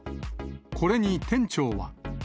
これに店長は。